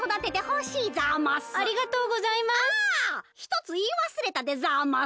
ひとついいわすれたでざます。